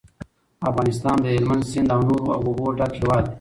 افغانستان له هلمند سیند او نورو اوبو ډک هیواد دی.